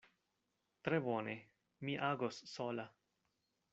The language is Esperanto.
Tre bone: mi agos sola.